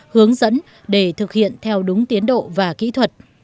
hướng dẫn để thực hiện theo đúng tiến độ và kỹ thuật